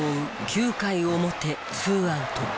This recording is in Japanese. ９回表ツーアウト。